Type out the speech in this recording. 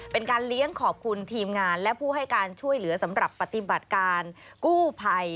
เป็นการเลี้ยงขอบคุณทีมงานและผู้ให้การช่วยเหลือสำหรับปฏิบัติการกู้ภัย